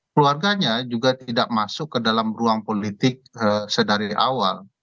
keluarganya juga tidak masuk ke dalam ruang politik sedari awal